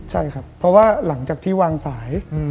ใช่ครับเพราะว่าหลังจากที่วางสาย